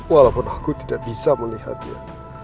walaupun aku tidak bisa melihatnya